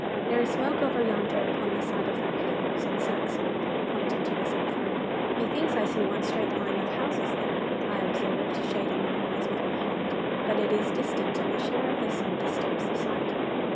'There is smoke over yonder, upon the side of that hill,' said Saxon, pointing to the southward. 'Methinks I see one straight line of houses there,' I observed, shading my eyes with my hand. 'But it is distant, and the shimmer of the sun disturbs the sight.